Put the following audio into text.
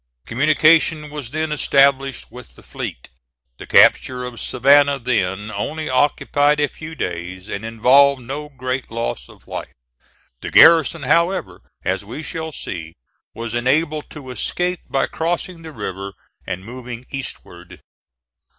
Communication was then established with the fleet. The capture of Savannah then only occupied a few days, and involved no great loss of life. The garrison, however, as we shall see, was enabled to escape by crossing the river and moving eastward.